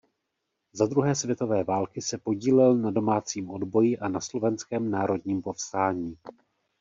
Za druhé světové války se podílel na domácím odboji a na Slovenském národním povstání.